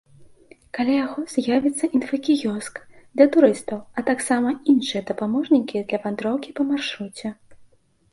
Каля яго з'явіцца інфакіёск для турыстаў, а таксама іншыя дапаможнікі для вандроўкі па маршруце.